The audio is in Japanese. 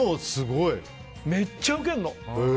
めっちゃウケるの。